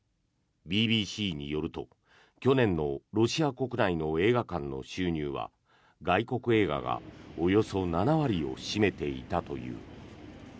ＢＢＣによると、去年のロシア国内の映画館の収入は外国映画がおよそ７割を占めていたという。